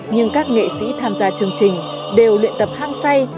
nhưng các nghệ sĩ tham gia chương trình đều luyện tập hăng say